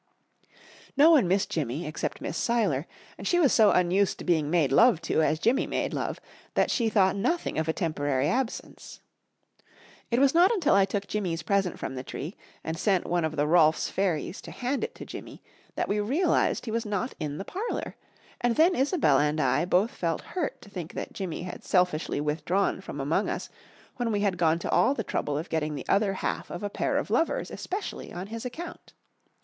No one missed Jimmy, except Miss Seiler, and she was so unused to being made love to as Jimmy made love that she thought nothing of a temporary absence. It was not until I took Jimmy's present from the tree and sent one of the Rolfs fairies to hand it to Jimmy that we realized he was not in the parlour, and then Isobel and I both felt hurt to think that Jimmy had selfishly withdrawn from among us when we had gone to all the trouble of getting the other half of a pair of lovers especially on his account.